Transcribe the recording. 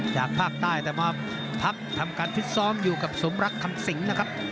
จากภาคใต้แต่มาพักทำการฟิตซ้อมอยู่กับสมรักคำสิงนะครับ